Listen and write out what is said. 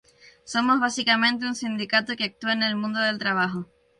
Somos básicamente un sindicato que actúa en el mundo del trabajo.